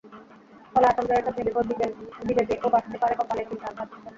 ফলে আসাম জয়ের স্বপ্নে বিভোর বিজেপিরও বাড়তে পারে কপালে চিন্তার ভাঁজ।